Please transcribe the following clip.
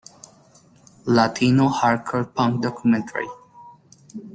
Latino Hardcore Punk Documentary".